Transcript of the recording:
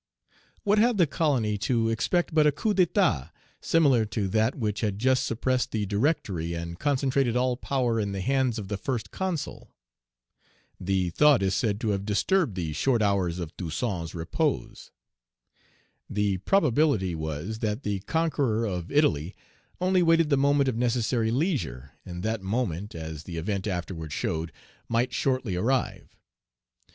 What had the colony to expect but a coup d'état similar to that which had just suppressed the Directory and concentrated all power in the hands of the First Consul? The thought is said to have disturbed the short hours of Toussaint's repose. The probability was, that the conqueror of Italy only waited the moment of necessary leisure, and that moment, as the event afterward showed, might shortly arrive.